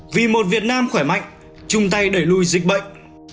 vì một việt nam khỏe mạnh chung tay đẩy lùi dịch bệnh